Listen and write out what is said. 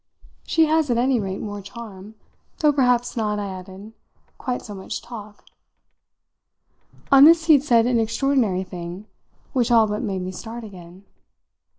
She has at any rate more charm; though perhaps not," I added, "quite so much talk." On this he said an extraordinary thing, which all but made me start again.